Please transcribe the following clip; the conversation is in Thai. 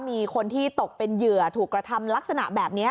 มีคนที่ตกเป็นเหยื่อถูกกระทำลักษณะแบบนี้